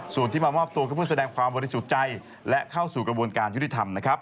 ส่วนที่มามอบตัวก็เพื่อแสดงความบริสุทธิ์ใจและเข้าสู่กระบวนการยุติธรรมนะครับ